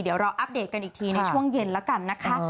เดี๋ยวเราอัปเดตกันอีกทีในช่วงเย็นแล้วกันนะคะ